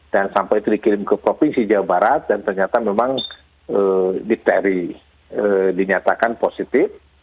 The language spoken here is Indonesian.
dan sampel itu dikirim ke provinsi jawa barat dan ternyata memang diteri dinyatakan positif